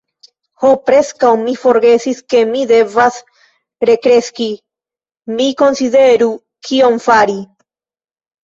Ho, preskaŭ mi forgesis ke mi devas rekreski! Mi konsideru kion fari.